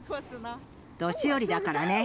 年寄りだからね。